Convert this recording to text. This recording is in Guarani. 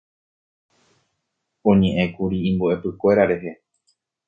oñe'ẽkuri imbo'epykuéra rehe